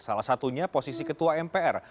salah satunya posisi ketua mpr